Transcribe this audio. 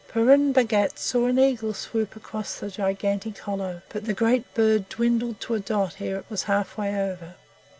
Purun Bhagat saw an eagle swoop across the gigantic hollow, but the great bird dwindled to a dot ere it was half way over.